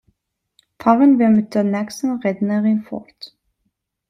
Fahren wir mit der nächsten Rednerin fort.